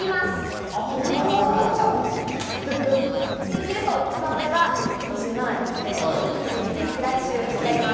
切ると一番上が２７になって２７日、来週やります。